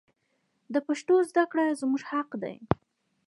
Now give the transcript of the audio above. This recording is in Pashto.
د پښتو زده کړه زموږ حق دی.